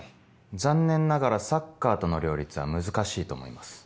残念ながらサッカーとの両立は難しいと思います。